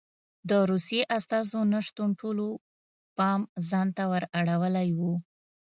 د روسیې استازو نه شتون ټولو پام ځان ته ور اړولی و